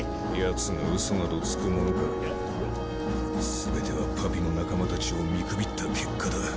全てはパピの仲間たちを見くびった結果だ。